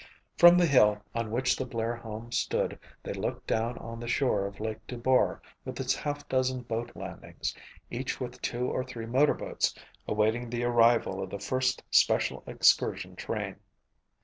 From the hill on which the Blair home stood they looked down on the shore of Lake Dubar with its half dozen boat landings, each with two or three motorboats awaiting the arrival of the first special excursion train.